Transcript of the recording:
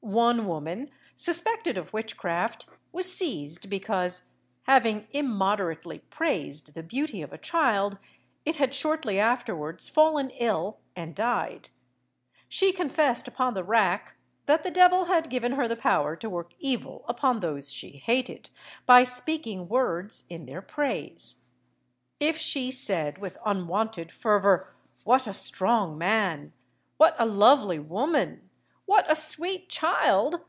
One woman, suspected of witchcraft, was seized because, having immoderately praised the beauty of a child, it had shortly afterwards fallen ill and died. She confessed upon the rack that the devil had given her the power to work evil upon those she hated, by speaking words in their praise. If she said with unwonted fervour, "What a strong man!" "What a lovely woman!" "What a sweet child!"